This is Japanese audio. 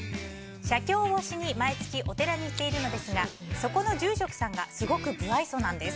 写経をしに毎月、お寺に行っているのですがそこの住職さんがすごく無愛想なんです。